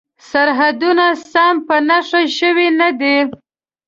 سرحدونه سم په نښه شوي نه دي.